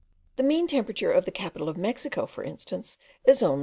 The mean temperature of the capital of Mexico, for instance, is only 16.